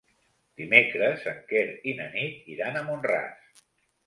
Dimecres en Quer i na Nit iran a Mont-ras.